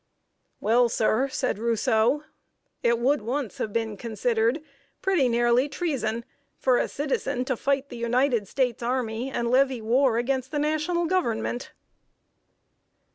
"Well, sir," said Rousseau, "it would once have been considered pretty nearly treason for a citizen to fight the United States army and levy war against the National Government!"